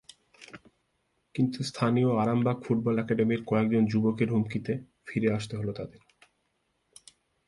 কিন্তু স্থানীয় আরামবাগ ফুটবল একাডেমির কয়েকজন যুবকের হুমকিতে ফিরে আসতে হলো তাদের।